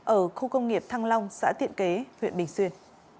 ở khu công nghiệp thăng long xã tiện kế huyện bình xuyên